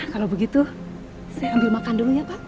kalau begitu saya ambil makan dulu ya pak